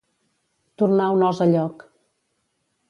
Tornar un os a lloc.